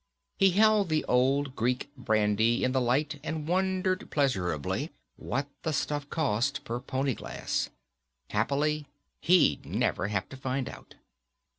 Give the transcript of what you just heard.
He held the old Greek brandy to the light and wondered pleasurably what the stuff cost, per pony glass. Happily, he'd never have to find out.